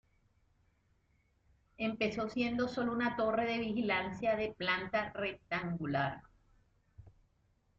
Empezó siendo sólo una torre de vigilancia de planta rectangular.